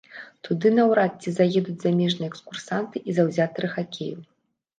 Туды наўрад ці даедуць замежныя экскурсанты і заўзятары хакею.